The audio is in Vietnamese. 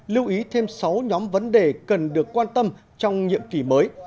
lưu ý thêm sáu nhóm vấn đề cần được quan tâm trong nhiệm kỳ mới